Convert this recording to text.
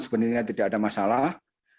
sebenarnya tidak ada masalah